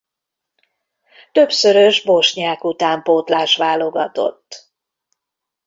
Többszörös bosnyák utánpótlás-válogatott.